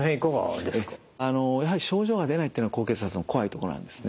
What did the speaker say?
やはり症状が出ないってのは高血圧の怖いとこなんですね。